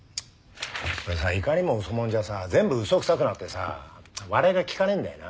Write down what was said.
これさいかにも嘘もんじゃさ全部嘘くさくなってさ笑いが効かねえんだよな。